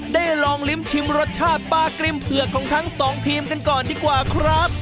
ได้ลองลิ้มชิมรสชาติปลากริมเผือกของทั้งสองทีมกันก่อนดีกว่าครับ